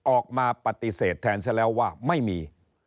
ออกมาปฏิเสธแทนซะแล้วว่าไม่มี